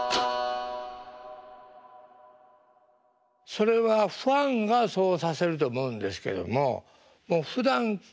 それはファンがそうさせると思うんですけどももうふだんから男役でいないといけない。